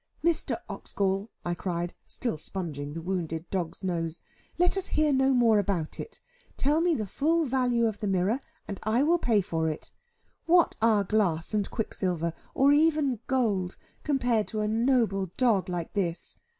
"Mr. Oxgall," I cried, still sponging the wounded dog's nose, "let us hear no more about it. Tell me the full value of the mirror, and I will pay for it. What are glass and quicksilver, or even gold, compared to a noble dog like this?